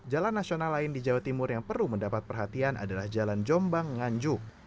jalan nasional lain di jawa timur yang perlu mendapat perhatian adalah jalan jombang nganjuk